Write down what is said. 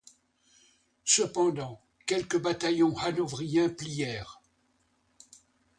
Cependant quelques bataillons hanovriens plièrent.